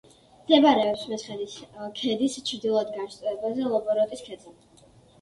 მდებარეობს მესხეთის ქედის ჩრდილოეთ განშტოებაზე, ლობოროტის ქედზე.